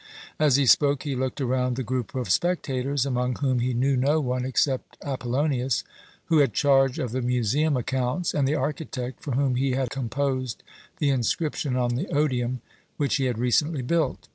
As he spoke he looked around the group of spectators, among whom he knew no one except Apollonius, who had charge of the museum accounts, and the architect, for whom he had composed the inscription on the Odeum, which he had recently built.